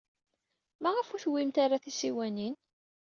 Maɣef ur tewwimt ara tisiwanin?